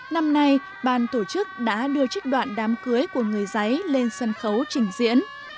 năm nay ban tổ chức đã đưa trích đoạn đám cưới của người giấy lên sân khấu trình diễn